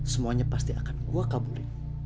semuanya pasti akan gue kabulin